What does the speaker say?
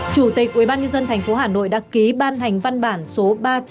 chủ tịch ubnd tp hà nội đã ký ban hành văn bản số ba trăm chín mươi